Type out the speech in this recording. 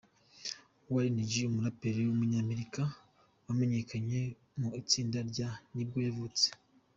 Warren G, umuraperi w’umunyamerika wamenyekanye mu itsinda rya nibwo yavutse.